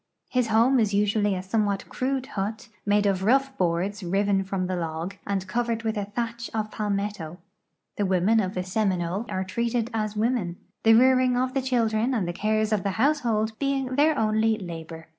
His home is usually a somewhat crude hut, made of rough boards riven from the log, and covered with a thatch of pal metto. The women of the Seminole are treated as women, the rearing of the children and the cares of the household being their only labor.